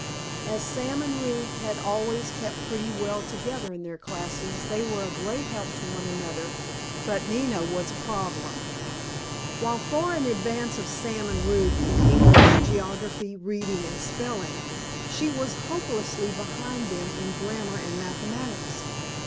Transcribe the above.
As Sam and Ruth had always kept pretty well together in their classes they were a great help to one another, but Nina was a problem. While far in advance of Sam and Ruth in English, geography, reading, and spelling, she was hopelessly behind them in grammar and mathematics.